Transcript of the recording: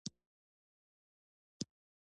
معده خپل ځان هضمولی شي.